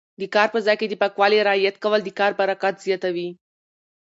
د کار په ځای کې د پاکوالي رعایت کول د کار برکت زیاتوي.